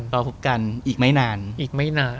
รอพบกันอีกไม่นาน